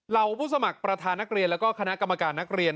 ผู้สมัครประธานนักเรียนแล้วก็คณะกรรมการนักเรียน